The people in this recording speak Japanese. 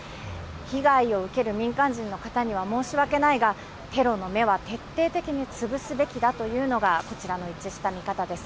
被害を受ける民間人の方には申し訳ないが、テロの芽は徹底的に潰すべきだというのが、こちらの一致した見方です。